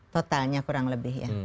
totalnya kurang lebih ya